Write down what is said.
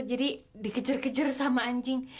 jadi dikejar kejar sama anjing